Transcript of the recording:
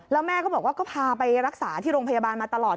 แล้วแม่ก็บอกว่าก็พาไปรักษาที่โรงพยาบาลมาตลอด